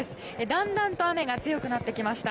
だんだんと雨が強くなってきました。